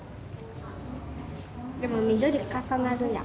でも緑重なるやん。